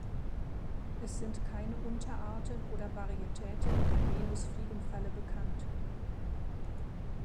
Es sind keine Unterarten oder Varietäten der Venusfliegenfalle bekannt.